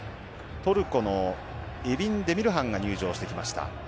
トルコのエビン・デミルハンが入場してきました。